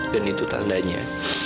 dan itu tandanya